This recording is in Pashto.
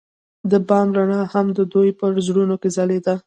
د بام رڼا هم د دوی په زړونو کې ځلېده.